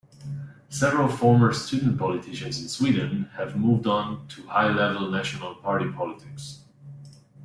Several former student politicians in Sweden have moved on to high-level national party politics.